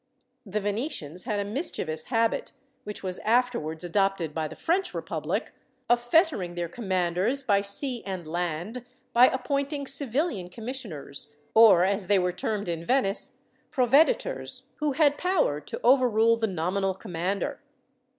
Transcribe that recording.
The Venetians had a mischievous habit, which was afterwards adopted by the French republic, of fettering their commanders by sea and land by appointing civilian commissioners, or, as they were termed in Venice, proveditors, who had power to overrule the nominal commander.